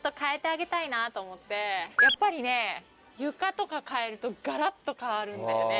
やっぱり床とか変えるとガラっと変わるんだよね。